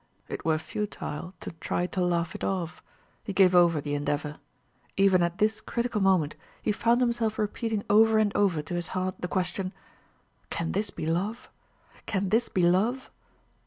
It were futile to try to laugh it off; he gave over the endeavor. Even at this critical moment he found himself repeating over and over to his heart the question: "Can this be love? Can this be love?